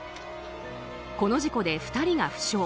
この事故で２人が負傷。